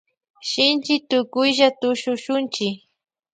Shinchi tukuylla tushuchunchi.